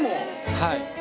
はい。